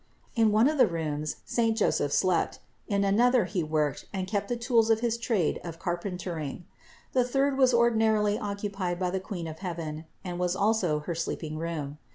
In one of the rooms saint Joseph slept, in another he worked and kept the tools of his trade of carpentering; the third was ordinarily occupied by the Queen of heaven and was also her sleeping room.